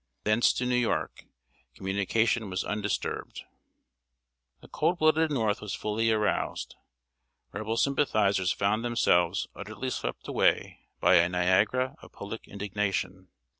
Thence to New York, communication was undisturbed. The cold blooded North was fully aroused. Rebel sympathizers found themselves utterly swept away by a Niagara of public indignation.